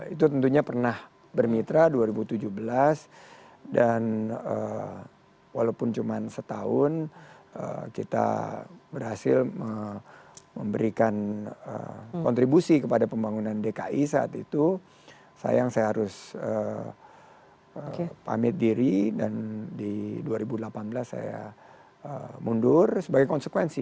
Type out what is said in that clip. itu tentunya pernah bermitra dua ribu tujuh belas dan walaupun cuma setahun kita berhasil memberikan kontribusi kepada pembangunan dki saat itu sayang saya harus pamit diri dan di dua ribu delapan belas saya mundur sebagai konsekuensi